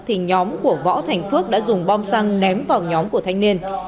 thì nhóm của võ thành phước đã dùng bom xăng ném vào nhóm của thanh niên